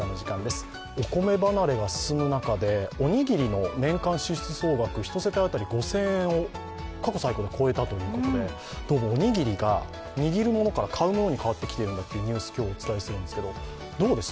お米離れが進む中でおにぎりの年間支出総額１世帯当たり５０００円を過去最高で超えたということで、どうもおにぎりが握るものから買うものに変わってきているというニュースを今日はお伝えするんですけどどうです？